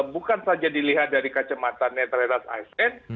bukan saja dilihat dari kacamata netralitas asn